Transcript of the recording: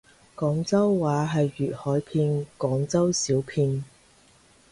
廣州話係粵海片廣州小片